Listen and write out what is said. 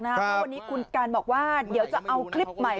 เพราะวันนี้คุณกันบอกว่าเดี๋ยวจะเอาคลิปใหม่